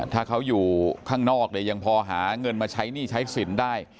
ถ้าเขาอยู่ข้างนอกเนี่ยยังพอหาเงินมาใช้หนี้ใช้สินได้